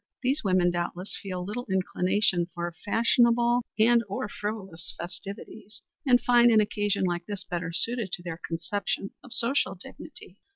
These women doubtless feel little inclination for fashionable and or frivolous festivities, and find an occasion like this better suited to their conception of social dignity."